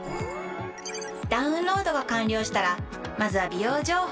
ダウンロードが完了したらまずは「美容情報」をチェック！